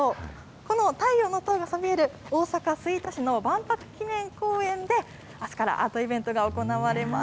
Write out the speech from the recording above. この太陽の塔がそびえる大阪・吹田市の万博記念公園で、あすからアートイベントが行われます。